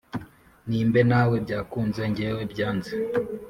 Nimbe nawe byakunze ngewe byanze